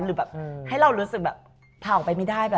หรือแบบให้เรารู้สึกแบบพาออกไปไม่ได้แบบ